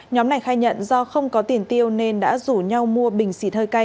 nhóm này khai nhận do không có tiền tiêu nên đã rủ nhau mua bình xịt